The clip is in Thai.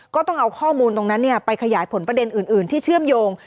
ก็ต้องเอาข้อมูลตรงนั้นไปขยายผลประเด็นอื่นที่เชื่อมโยง